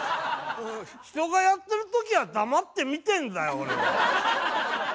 人がやってる時は黙って見てんだよ俺は。